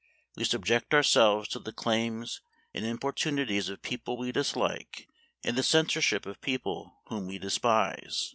We subject ourselves to the claims and importunities of people we dislike, and the censorship of people whom we despise.